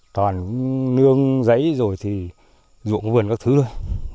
toàn nương giấy rồi thì dụng vườn các thứ thôi